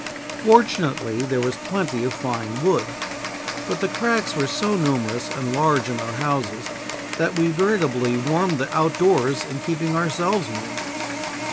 Fortunately there was plenty of fine wood, but the cracks were so numerous and large in our houses that we veritably warmed the outdoors in keeping ourselves warm.